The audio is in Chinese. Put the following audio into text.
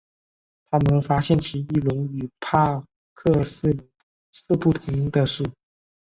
他们发现奇异龙与帕克氏龙是不同的属。